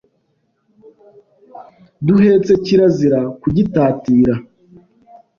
duhetse kirazira kugitatira;